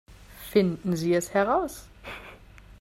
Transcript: Finden Sie es heraus!